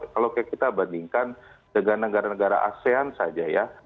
kalau kita bandingkan dengan negara negara asean saja ya